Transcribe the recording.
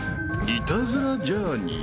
［『イタズラ×ジャーニー』］